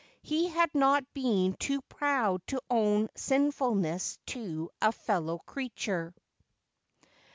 He had not been too proud to own his sinfulness to a fellow creature.